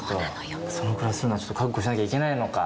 そのくらいするのはちょっと覚悟しなきゃいけないのか。